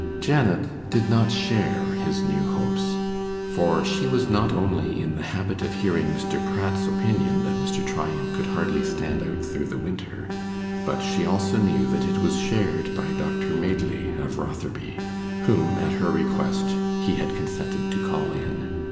Janet did not share his new hopes, for she was not only in the habit of hearing Mr. Pratt's opinion that Mr. Tryan could hardly stand out through the winter, but she also knew that it was shared by Dr Madely of Rotherby, whom, at her request, he had consented to call in.